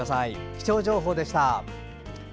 気象情報でした。